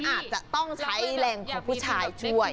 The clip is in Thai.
อาจจะต้องใช้แรงของผู้ชายช่วย